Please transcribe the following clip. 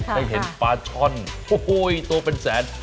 ได้เห็นปลาช่อนโอ้โหตัวเป็นแสน